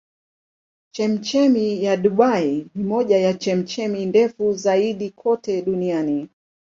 Chemchemi ya Dubai ni moja ya chemchemi ndefu zaidi kote duniani.